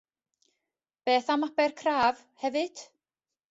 Beth am Abercraf, hefyd?